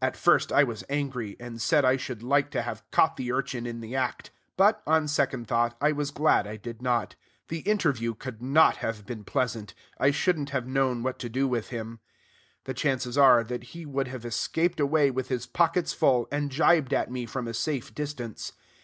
At first I was angry, and said I should like to have caught the urchin in the act; but, on second thought, I was glad I did not. The interview could not have been pleasant: I shouldn't have known what to do with him. The chances are, that he would have escaped away with his pockets full, and jibed at me from a safe distance.